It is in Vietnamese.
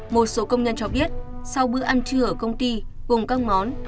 một số công nhân cho biết sau bữa ăn trưa ở công ty gồm các món